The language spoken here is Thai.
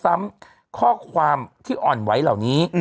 ซ้ำข้อความที่อ่อนไหวเหล่านี้